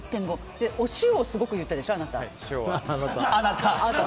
お塩をすごく言ったでしょあなた。